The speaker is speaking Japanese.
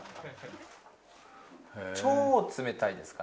超冷たいですかね？